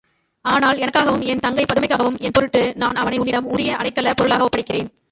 ஆனால், எனக்காகவும், என் தங்கை பதுமைக்காகவும் என் பொருட்டு நான் அவனை உன்னிடம் உரிய அடைக்கலப் பொருளாக ஒப்படைக்கிறேன்.